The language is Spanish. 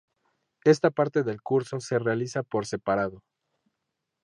Esta parte del curso se realiza por separado.